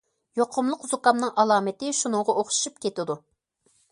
يۇقۇملۇق زۇكامنىڭ ئالامىتى شۇنىڭغا ئوخشىشىپ كېتىدۇ.